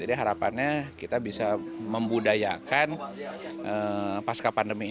jadi harapannya kita bisa membudayakan pasca pandemi ini